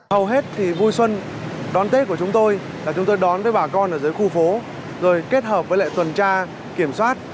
hầu hết thì vui xuân đón tết của chúng tôi là chúng tôi đón với bà con ở dưới khu phố rồi kết hợp với lại tuần tra kiểm soát